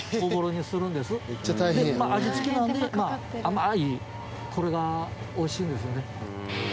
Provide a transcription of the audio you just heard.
で味付きなんで甘いこれが美味しいんですよね。